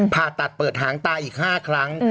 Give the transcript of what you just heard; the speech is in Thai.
ผ่าตัดเปิดหางตาอีก๕ครั้ง